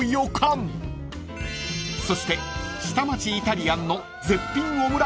［そして下町イタリアンの］